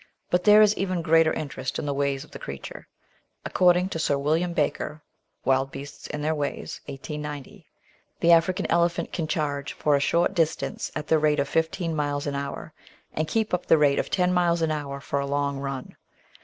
But there is even greater interest in the ways of the creature. According to Sir Samuel Baker ( Wild Beasts and their Ways, 1890), the African Elephant can charge for a short distance at the rate of fifteen miles an hour, and keep up the rate of ten miles an hour for a long run.